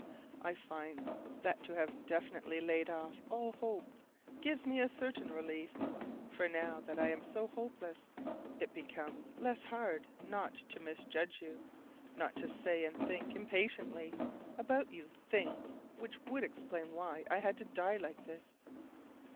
I find that to have definitely laid off all hope gives me a certain relief: for now that I am so hopeless it becomes less hard not to misjudge you not to say and think impatiently about you things which would explain why I had to die like this.